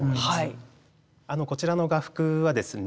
こちらの画幅はですね